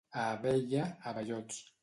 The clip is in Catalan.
A Abella, abellots.